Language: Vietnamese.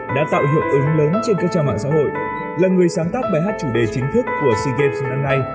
đã tạo hiệu ứng lớn trên các trang mạng xã hội là người sáng tác bài hát chủ đề chính thức của sea games phim năm nay